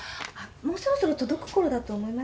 もうそろそろ届くころだと思います。